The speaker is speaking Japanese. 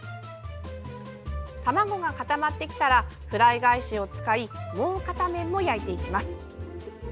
卵が固まってきたらフライ返しを使いもう片面も焼いていきます。